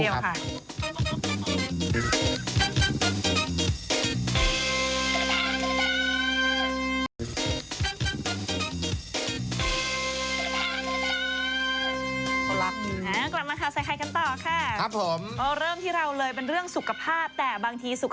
ให้ใหญ่กว่ามากเท่านั้นเองเท่าหน้านะคะ